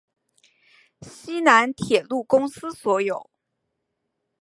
西南铁路公司所有。